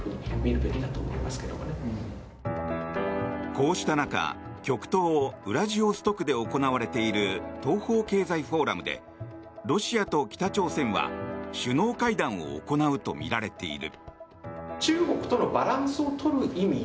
こうした中極東ウラジオストクで行われている東方経済フォーラムでロシアと北朝鮮は首脳会談を行うとみられている。